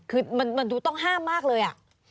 คือมันดูต้องห้ามมากเลย